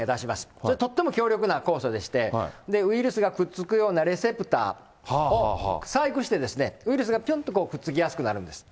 それ、とっても強力な酵素でして、ウイルスがくっつくようなレセプターを細工して、ウイルスがぴょんとくっつきやすくなるんです。